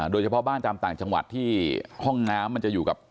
โดยเฉพาะบ้านตามต่างจังหวัดที่ห้องน้ำมันจะอยู่กับ